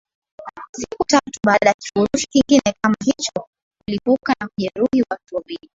siku tatu baada kifurushi kingine kama hicho kulipuka na kujeruhi watu wawili